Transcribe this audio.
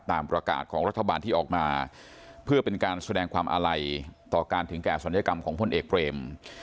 ตามประกาศของรัฐบาลที่ออกมาเพื่อเป็นการแสดงความอาลัยต่อการถึงแก่ศัลยกรรมของพลเอกเบรม